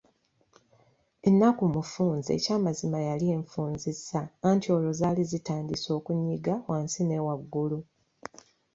Ennaku mufunza eky'amazima yali enfunzizza anti olwo zaali zitandise okunnyiga wansi ne waggulu.